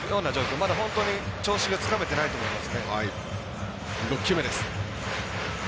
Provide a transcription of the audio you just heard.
まだ本当に調子がつかめていないと思います。